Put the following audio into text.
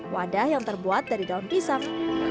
wadah yang terbuat dari daun pisang